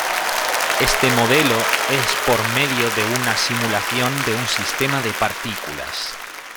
Este modelo es por medio de una simulación de un sistema de partículas.